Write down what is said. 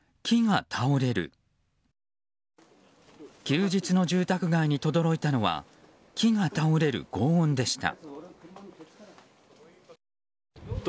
休日の住宅街にとどろいたのは木が倒れる轟音でした。